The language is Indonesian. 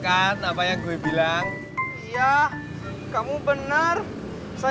kalau misalnya gini lain rupanya hape